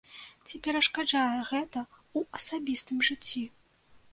Ці перашкаджае гэта ў асабістым жыцці?